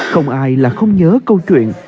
không ai là không nhớ câu chuyện